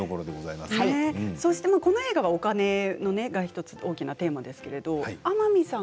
この映画はお金が大きなテーマの１つですけれど天海さん